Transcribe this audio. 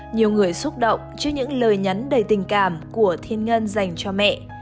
nhiều người xúc động trước những lời nhắn đầy tình cảm của thiên ngân dành cho mẹ